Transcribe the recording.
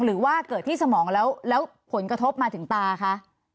หรือว่าเกิดที่สมองแล้วผลกระทบมาถึงตาคะ